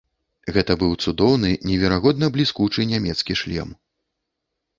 Гэта быў цудоўны, неверагодна бліскучы нямецкі шлём.